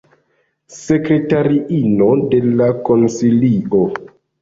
Sekretariino de la konsilio.